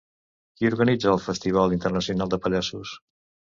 Qui organitza el Festival Internacional de Pallassos?